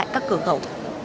các cửa khẩu